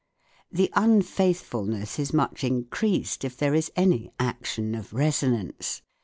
The unfaithfulness is much increased if there is any action of " resonance."